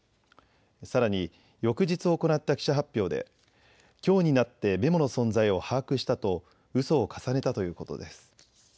さらに翌日行った記者発表できょうになってメモの存在を把握したとうそを重ねたということです。